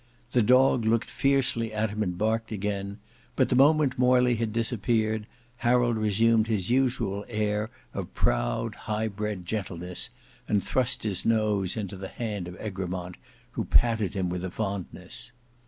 The dog looked fiercely at him and barked again, but the moment Morley had disappeared, Harold resumed his usual air of proud high bred gentleness, and thrust his nose into the hand of Egremont, who patted him with fondness.